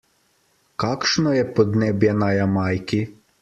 Kakšno je podnebje na Jamajki?